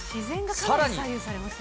さらに。